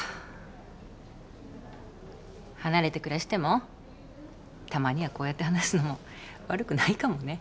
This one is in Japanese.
離れて暮らしてもたまにはこうやって話すのも悪くないかもね。